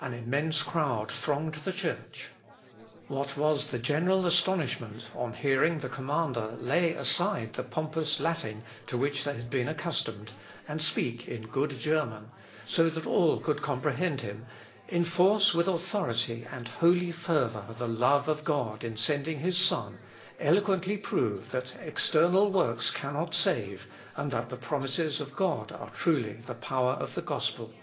An immense crowd thronged the church. What was the general astonishment on hearing the commander lay aside the pompous Latin to which they had been accustomed, and speak in good German, so that all could comprehend him, enforce with authority and holy fervour the love of God in sending his Son, eloquently prove that external works cannot save, and that the promises of God are truly the power of the gospel.